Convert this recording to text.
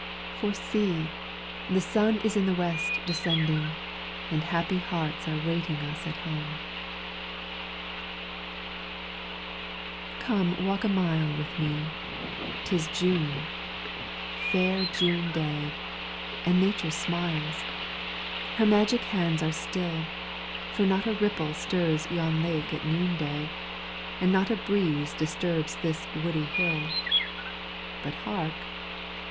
For see! the sun is in the West decending, And happy hearts are waiting us at home. JUNE Come walk a mile with me 'Tis June, fair June day, And Nature smiles her magic hands are still, For not a ripple stirs yon lake at noon day, And not a breeze disturbs this woody hill; But hark!